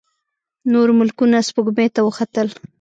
نور ملکونه سپوږمۍ ته وختل.